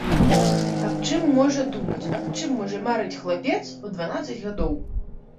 Аб чым можа думаць, аб чым можа марыць хлапец у дванаццаць гадоў?